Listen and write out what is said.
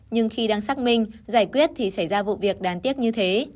nhưng khi đang xác minh giải quyết thì xảy ra vụ việc đáng tiếc như thế